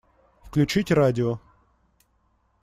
Включить радио.